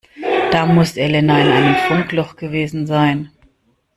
Da muss Elena in einem Funkloch gewesen sein.